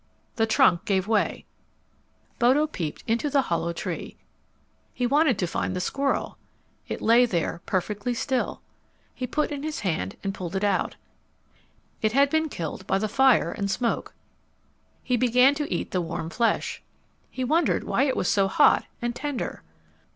The trunk gave way. Bodo peeped into the hollow tree. He wanted to find the squirrel. [Illustration: "He put in his hand and pulled the squirrel out"] It lay there perfectly still. He put in his hand and pulled it out. It had been killed by the fire and smoke. He began to eat the warm flesh. He wondered why it was so hot and tender.